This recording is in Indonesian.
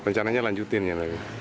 rencananya lanjutin ya